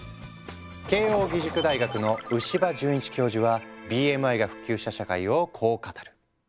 慶應義塾大学の牛場潤一教授はＢＭＩが普及した社会をこう語る。